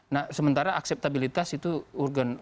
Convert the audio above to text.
nah sementara akseptabilitas itu urgen